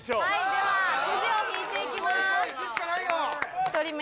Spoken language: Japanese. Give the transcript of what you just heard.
ではくじを引いていきます。